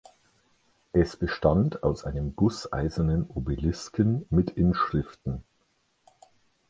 Es bestand aus einem gusseisernen Obelisken mit Inschriften.